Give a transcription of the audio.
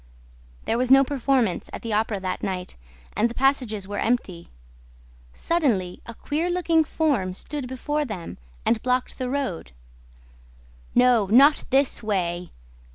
There was no performance at the Opera that night and the passages were empty. Suddenly, a queer looking form stood before them and blocked the road: "No, not this way!"